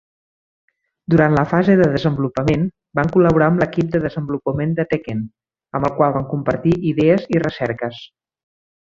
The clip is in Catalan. Durant la fase de desenvolupament, van col·laborar amb l'equip de desenvolupament de "Tekken", amb el qual van compartir idees i recerques.